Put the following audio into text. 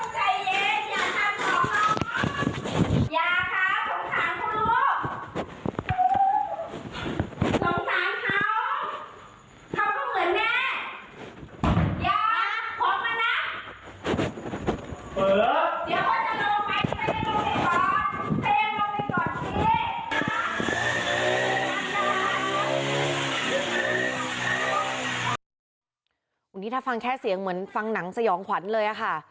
นี่ถ้าฟังแค่เสียงเหมือนฟังหนังสยองขวัญเลยค่ะ